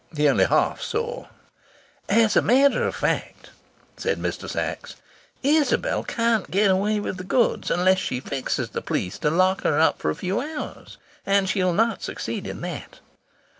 He only half saw. "As a matter of fact," said Mr. Sachs, "Isabel can't get away with the goods unless she fixes the police to lock her up for a few hours. And she'll not succeed in that.